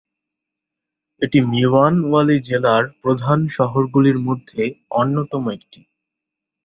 এটি মিয়ানওয়ালী জেলার প্রধান শহরগুলির মধ্যে অন্যতম একটি।